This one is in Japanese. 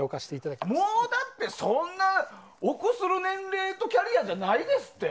もう、だって、そんな臆する年齢とキャリアじゃないですって。